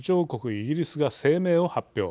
イギリスが声明を発表。